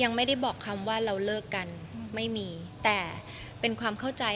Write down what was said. ยังไม่ได้บอกคำว่าเราเลิกกันไม่มีแต่เป็นความเข้าใจ